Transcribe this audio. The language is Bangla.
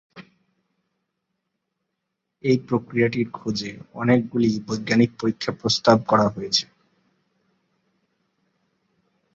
এই প্রক্রিয়াটির খোঁজে অনেকগুলি বৈজ্ঞানিক পরীক্ষা প্রস্তাব করা হয়েছে।